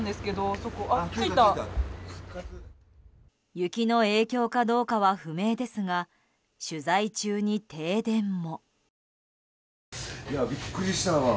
雪の影響かどうかは不明ですが取材中に停電も。